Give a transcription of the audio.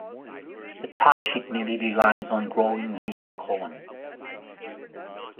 The township mainly relies on growing wheat and corn.